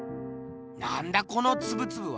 なんだこのつぶつぶは。